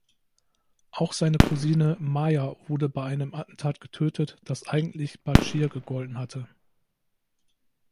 Auch seine Cousine Maya wurde bei einem Attentat getötet, das eigentlich Bachir gegolten hatte.